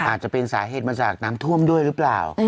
อาจจะเป็นสาเหตุมาจากน้ำท่วมด้วยหรือเปล่า